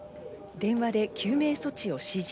電話で救命措置を指示。